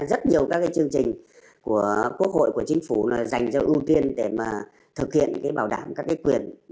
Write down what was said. rất nhiều các chương trình của quốc hội của chính phủ dành cho ưu tiên để thực hiện bảo đảm các quyền